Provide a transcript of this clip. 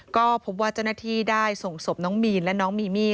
ก็พบว่าเจ้าหน้าที่ได้ส่งศพน้องมีนและน้องมีมี่